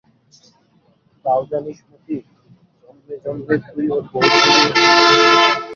তাও জানিস মতি, জন্মে জন্মে তুই ওর বৌ ছিলি?